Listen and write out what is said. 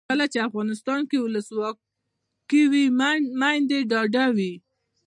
کله چې افغانستان کې ولسواکي وي میندې ډاډه وي.